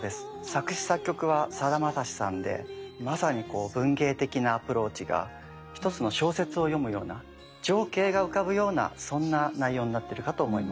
作詞・作曲はさだまさしさんでまさに文芸的なアプローチが一つの小説を読むような情景が浮かぶようなそんな内容になってるかと思います。